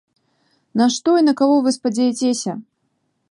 На што і на каго вы спадзеяцеся?